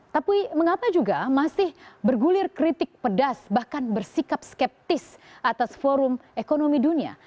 tapi mengapa juga masih bergulir kritik pedas bahkan bersikap skeptis atas forum ekonomi dunia